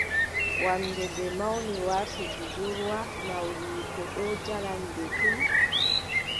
Wamnde nde mawni warti budurwa. Nawliiko ɗon jali nde tum.